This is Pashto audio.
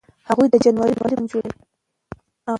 هغوی د جنورۍ پلان جوړوي.